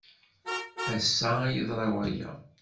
Ass-a ay yeḍra waya.